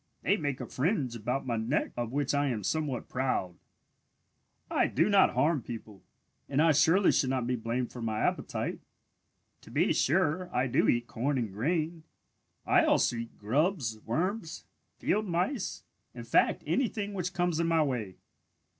They make a fringe about my neck of which I am somewhat proud. "I do not harm people, and I surely should not be blamed for my appetite. To be sure, I do eat corn and grain. I also eat grubs, worms, field mice, in fact anything which comes in my way.